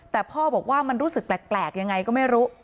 แต่พ่อบอกว่ามันรู้สึกแปลกยังไงก็ไม่รู้